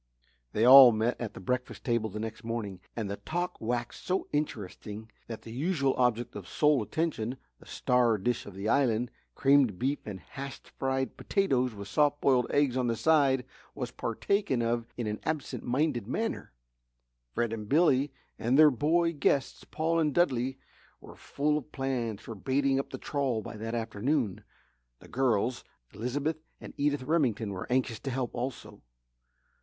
They all met at the breakfast table the next morning, and the talk waxed so interesting that the usual object of sole attention the star dish of the island, creamed beef and hashed fried potatoes with soft boiled eggs on the side was partaken of in an absent minded manner. Fred and Billy and their boy guests Paul and Dudley, were full of plans for baiting up the trawl by that afternoon. The girls, Elizabeth and Edith Remington were anxious to help also.